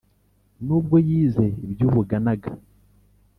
nubwo yize iby'ubuganaga,